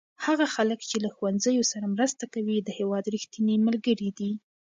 هغه خلک چې له ښوونځیو سره مرسته کوي د هېواد رښتیني ملګري دي.